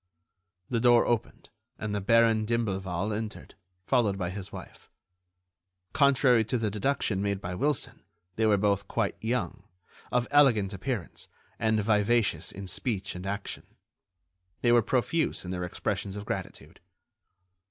The door opened, and the Baron d'Imblevalle entered, followed by his wife. Contrary to the deduction made by Wilson, they were both quite young, of elegant appearance, and vivacious in speech and action. They were profuse in their expressions of gratitude.